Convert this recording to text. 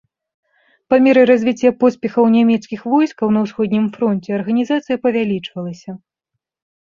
Па меры развіцця поспехаў нямецкіх войскаў на ўсходнім фронце арганізацыя павялічвалася.